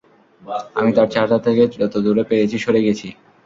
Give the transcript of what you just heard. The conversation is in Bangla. আমি তার চেহারা থেকে যত দূরে পেরেছি সরে গেছি।